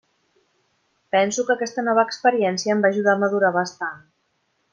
Penso que aquesta nova experiència em va ajudar a madurar bastant.